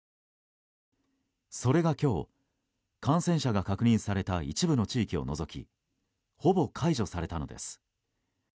それが今日、感染者が確認された一部の地域を除きほぼ解除されたのです。